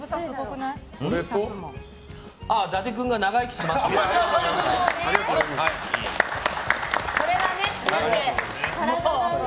伊達君が長生きしますように。